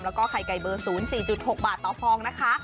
แล้วก็ไข่ไก่เบอร์๐๔๖บาทต่อฟองนะคะ